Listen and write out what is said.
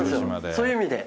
そういう意味で。